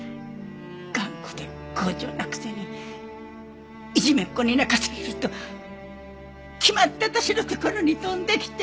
頑固で強情なくせにいじめっ子に泣かされると決まって私のところに飛んできて。